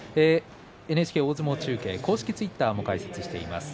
ＮＨＫ大相撲中継公式ツイッターを開設しています。